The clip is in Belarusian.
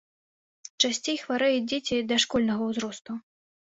Часцей хварэюць дзеці дашкольнага ўзросту.